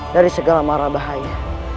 dari segala marah bahaya